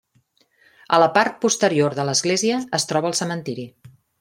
A la part posterior de l'església es troba el cementiri.